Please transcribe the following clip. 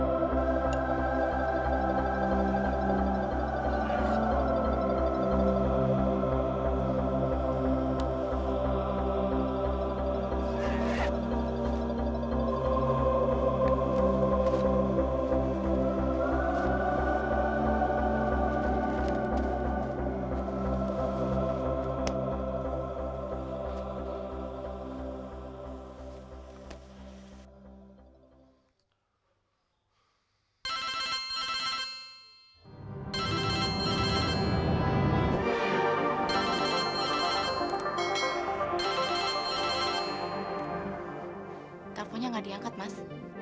apakah teleponnya tidak diangkat mas